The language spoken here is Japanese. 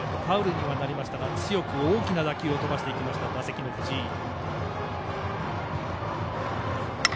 ファウルにはなりましたが強く大きな打球を飛ばしていきました、打席の藤井。